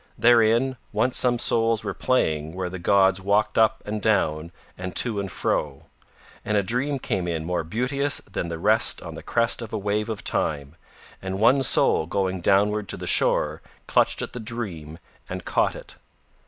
Therein once some souls were playing where the gods walked up and down and to and fro. And a dream came in more beauteous than the rest on the crest of a wave of Time, and one soul going downward to the shore clutched at the dream and caught it.